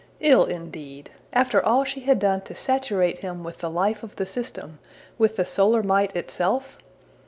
Ill, indeed! after all she had done to saturate him with the life of the system, with the solar might itself?